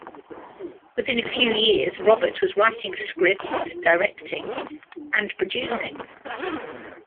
Within a few years, Robert was writing scripts, directing, and producing.